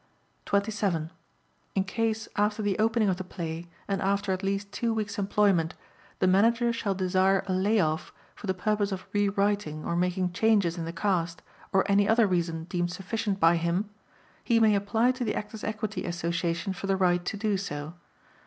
27. In case after the opening of the play and after at least two weeks' employment, the Manager shall desire a lay off for the purpose of re writing or making changes in the cast or any other reason deemed sufficient by him, he may apply to the Actors' Equity Association for the right to do so.